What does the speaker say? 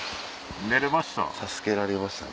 寝れました？